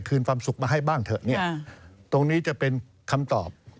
ความสุขมาให้บ้างเถอะเนี่ยตรงนี้จะเป็นคำตอบ